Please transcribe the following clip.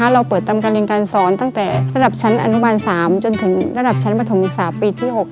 เราเปิดทำการเรียนการสอนตั้งแต่ระดับชั้นอนุบาล๓จนถึงระดับชั้นประถมศึกษาปีที่๖